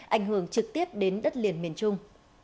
ảnh hưởng trực tiếp đến đất liền miền trung